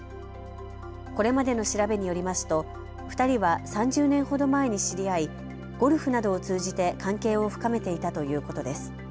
これまでの調べによりますと２人は３０年ほど前に知り合いゴルフなどを通じて関係を深めていたということです。